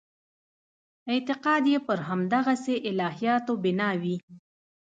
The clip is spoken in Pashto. اعتقاد یې پر همدغسې الهیاتو بنا وي.